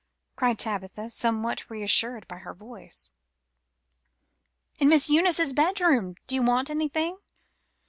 cried Tabitha, somewhat reassured by her voice. "In Miss Eunice's bedroom. Do you want anything?"